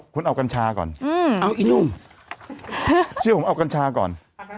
คุณเอากัญชาก่อนเอาอีหนุ่มเชื่อผมเอากัญชาก่อน